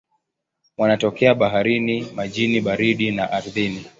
Wanatokea baharini, majini baridi na ardhini.